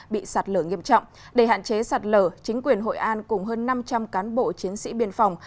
bị sạt lở nghiêm trọng để hạn chế sạt lở chính quyền hội an cùng hơn năm trăm linh cán bộ chiến sĩ biên phòng